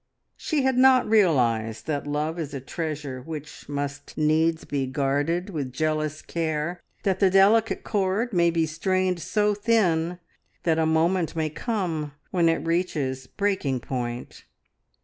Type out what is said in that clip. She had not realised that love is a treasure which must needs be guarded with jealous care, that the delicate cord may be strained so thin that a moment may come when it reaches breaking point.